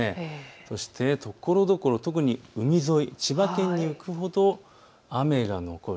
そして、ところどころ特に海沿い、千葉県に行くほど雨が残る。